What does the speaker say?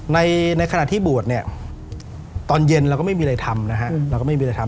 ในขณะที่บวชเนี่ยตอนเย็นเราก็ไม่มีอะไรทำนะฮะเราก็ไม่มีอะไรทำ